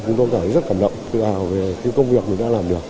chúng tôi cảm thấy rất cảm động sức hào về công việc mình đã làm được